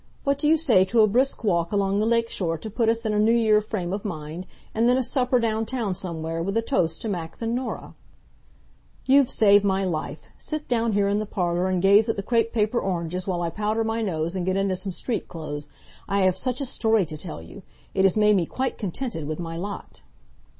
What do you say to a brisk walk along the lake shore to put us in a New Year frame of mind, and then a supper down town somewhere, with a toast to Max and Norah?" "You've saved my life! Sit down here in the parlor and gaze at the crepe paper oranges while I powder my nose and get into some street clothes. I have such a story to tell you! It has made me quite contented with my lot."